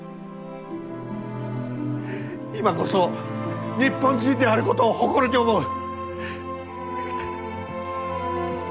今こそ日本人であることを誇りに思う！